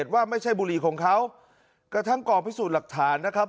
ว่าไม่ใช่บุหรี่ของเขากระทั่งกองพิสูจน์หลักฐานนะครับ